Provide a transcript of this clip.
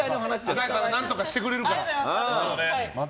う大さんが何とかしてくれるから。